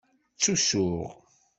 Ttusuɣ.